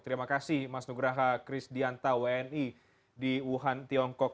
terima kasih mas nugraha krisdianta wni di wuhan tiongkok